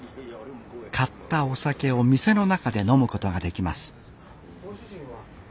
買ったお酒を店の中で飲むことができます